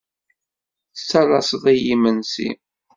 Tettalaseḍ-iyi imensi.